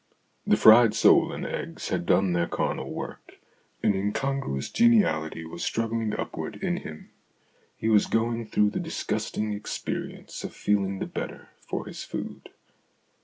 The fried sole and eggs had done their carnal work ; an incon gruous geniality was struggling upward in him ; he was going through the disgusting experience of feeling the better for his food.